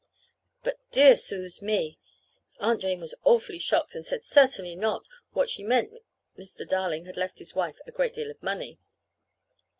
But, dear suz me! Aunt Jane was awfully shocked, and said certainly not; that she meant Mr. Darling had left his wife a great deal of money.